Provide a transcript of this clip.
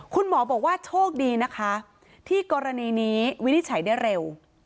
คุณหมอบอกว่าโชคดีนะคะที่กรณีนี้วินิจฉัยได้เร็ว